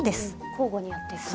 交互にやっていくんだ。